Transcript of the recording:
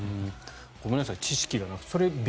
ごめんなさい知識がなくて。